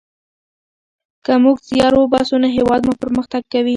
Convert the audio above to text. که موږ زیار وباسو نو هیواد مو پرمختګ کوي.